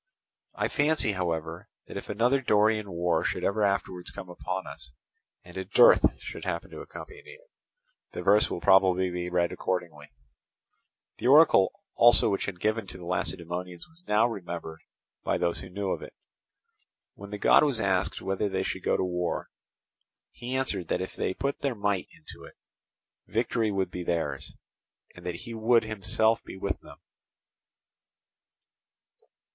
I fancy, however, that if another Dorian war should ever afterwards come upon us, and a dearth should happen to accompany it, the verse will probably be read accordingly. The oracle also which had been given to the Lacedaemonians was now remembered by those who knew of it. When the god was asked whether they should go to war, he answered that if they put their might into it, victory would be theirs, and that he would himself be with them.